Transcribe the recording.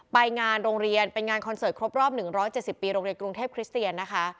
ไปงานโรงเรียนเป็นงานคอนเสิร์ตครบรอบ๑๗๐ปีโรงเรียนกรุงเทพคริสเตียนนะคะ